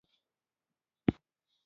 ښوونځی د ژوند کولو هنر ورزده کوي.